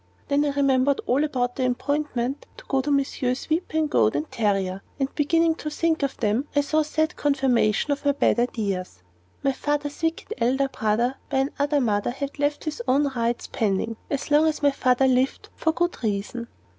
Then I remembered all about the appointment to go to Messrs. Vypan, Goad, and Terryer, and beginning to think about them, I saw sad confirmation of my bad ideas. My father's wicked elder brother by another mother had left his own rights pending, as long as my father lived, for good reason.